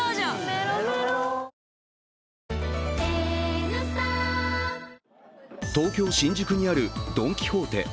メロメロ東京・新宿にあるドン・キホーテ。